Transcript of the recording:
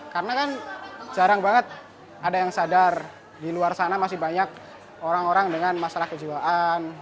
karena kan jarang banget ada yang sadar di luar sana masih banyak orang orang dengan masalah kejiwaan